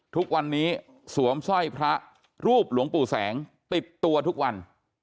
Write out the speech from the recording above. ทุกวันนี้สวมสร้อยพระรูปหลวงปู่แสงติดตัวทุกวัน